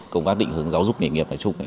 công tác định hướng giáo dục nghề nghiệp nói chung